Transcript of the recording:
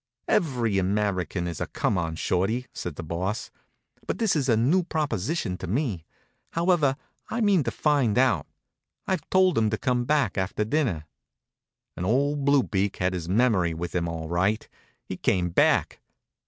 "Every American is a come on, Shorty," says the Boss. "But this is a new proposition to me. However, I mean to find out. I've told him to come back after dinner." And old Blue Beak had his memory with him, all right. He came back.